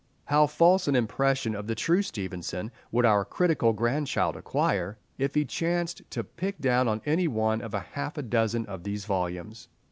How false an impression of the true Stevenson would our critical grandchild acquire if he chanced to pick down any one of half a dozen of these volumes!